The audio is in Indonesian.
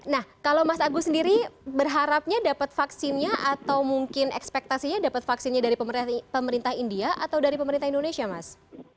nah kalau mas agus sendiri berharapnya dapat vaksinnya atau mungkin ekspektasinya dapat vaksinnya dari pemerintah india atau dari pemerintah indonesia mas